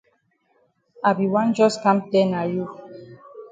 I be wan jus kam call na you.